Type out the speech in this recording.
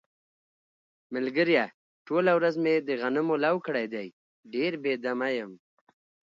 ملگریه ټوله ورځ مې د غنمو لو کړی دی، ډېر بې دمه یم.